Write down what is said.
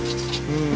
うん？